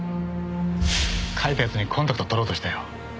書いた奴にコンタクトを取ろうとしたよ。